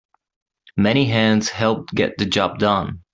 Many hands help get the job done.